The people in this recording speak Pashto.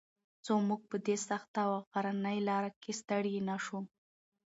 څو موږ په دې سخته او غرنۍ لاره کې ستړي نه شو.